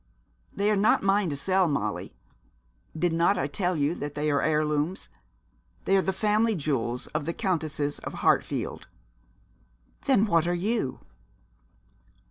'They are not mine to sell, Molly. Did not I tell you that they are heirlooms? They are the family jewels of the Countesses of Hartfield.' 'Then what are you?'